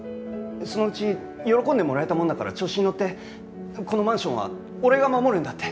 そのうち喜んでもらえたもんだから調子にのってこのマンションは俺が守るんだ！